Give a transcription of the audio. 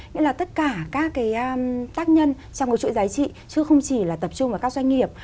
nghĩa là tất cả các cái tác nhân trong cái chuỗi giá trị chứ không chỉ là tập trung vào các doanh nghiệp